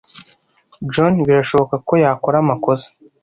John birashoboka ko yakora amakosa.